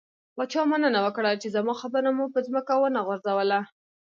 پاچا مننه وکړه، چې زما خبره مو په ځمکه ونه غورځوله.